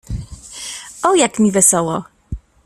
O, jak mi wesoło!